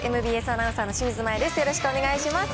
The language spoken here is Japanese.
ＭＢＳアナウンサー、清水麻椰です。